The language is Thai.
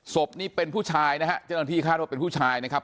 ศพนี้เป็นผู้ชายนะฮะเจ้าหน้าที่คาดว่าเป็นผู้ชายนะครับ